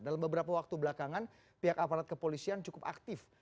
dalam beberapa waktu belakangan pihak aparat kepolisian cukup aktif